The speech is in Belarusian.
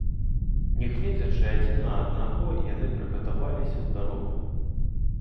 Не гледзячы адзін на аднаго, яны прыгатаваліся ў дарогу.